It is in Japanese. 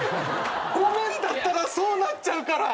ごめんだったらそうなっちゃうから！